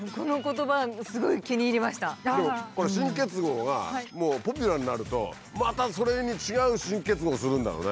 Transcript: でもこの「新結合」がもうポピュラーになるとまたそれに違う新結合をするんだろうね。